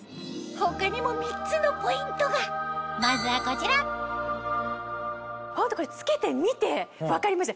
他にも３つのポイントがまずはこちらホントこれ着けてみて分かりました。